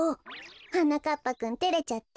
はなかっぱくんてれちゃって。